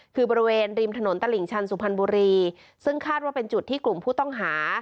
คือบริเวณริมถนนตลิ่งชันสุพรรณบุรีซึ่งคาดว่าเป็นจุดที่กลุ่มผู้ต้องหา